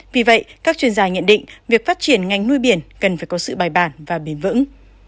vì vậy các chuyên gia nhận định việc phát triển ngành nuôi biển cần phải có sự bài bản và bền vững